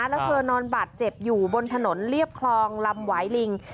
แล้วเธอนอนบาดเจ็บอยู่บนถนนเรียบคลองลำหวายลิง